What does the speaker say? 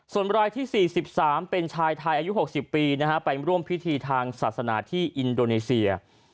ส่วนรายที่๔๓เป็นชายไทยอายุ๖๐ปีไปร่วมพิธีทางศาสนาที่อินโดนีเซีย